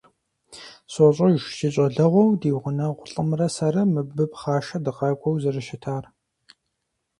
СощӀэж си щӀалэгъуэу ди гъунэгъу лӀымрэ сэрэ мыбы пхъашэ дыкъакӀуэу зэрыщытар.